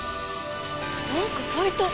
なんかさいた！